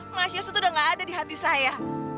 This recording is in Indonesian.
mas yos itu udah gak ada di hati saya